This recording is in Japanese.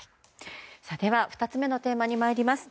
では、２つ目のテーマに参ります。